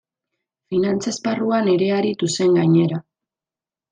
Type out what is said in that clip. Finantza esparruan ere aritu zen, gainera.